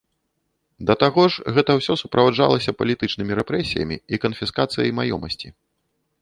Да таго ж гэта ўсё суправаджалася палітычнымі рэпрэсіямі і канфіскацыяй маёмасці.